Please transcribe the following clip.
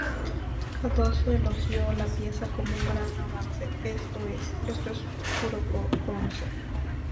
Cardoso elogió la pieza como un gran avance: "Esto es, esto es puro gonzo.